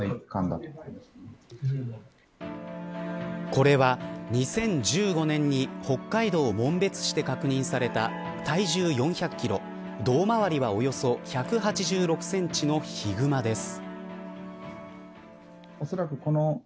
これは、２０１５年に北海道紋別市で確認された体重４００キロ胴回りは、およそ１８６センチのヒグマです。